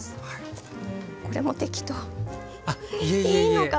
これも適当いいのかな。